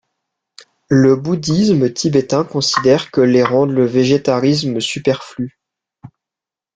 Le bouddhisme tibétain considère que les rendent le végétarisme superflu.